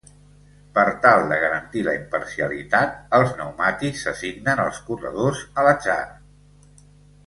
Per tal de garantir la imparcialitat, els pneumàtics s'assignen als corredors a l'atzar.